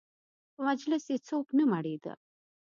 په مجلس یې څوک نه مړېده.